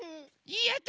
やった！